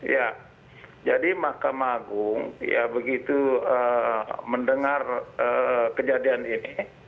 ya jadi mahkamah agung ya begitu mendengar kejadian ini